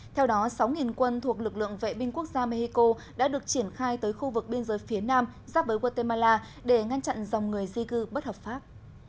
theo đó sáu quân thuộc lực lượng vệ binh quốc gia mexico đã được triển khai tới khu vực biên giới phía nam giáp với guatemala để ngăn chặn dòng người di cư bất hợp pháp